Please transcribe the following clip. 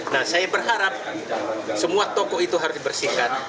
nah saya berharap semua toko itu harus dibersihkan